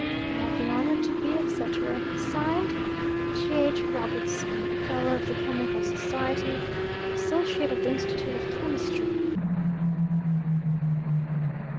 "I have the honour to be, etc., (Signed) "G. H. ROBERTSON. "Fellow of the Chemical Society, "Associate of the Institute of Chemistry."